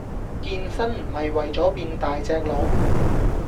健身唔係為左變大隻佬